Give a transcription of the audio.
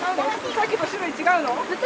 さっきと種類違うの？